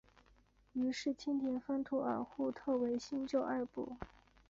于是清廷分土尔扈特为新旧二部。